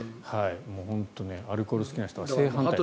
本当にアルコール好きな人は正反対。